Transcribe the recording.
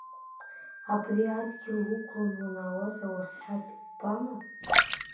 Абри адгьыл уқәлан уанаауаз, ауахьад убама?